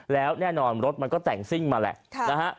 แล้วแน่นอนรถมันก็แต่งซิ่งมาแหละนะฮะ